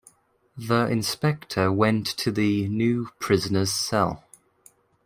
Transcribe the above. The inspector went to the new prisoner's cell.